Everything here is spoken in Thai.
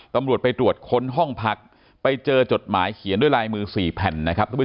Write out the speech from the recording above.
ต่ำรวจไปตรวจค้นห้องพักไปเจอจดหมายเขียนด้วยลายมือ๔แผ่น